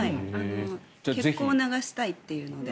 血行を促したいということで。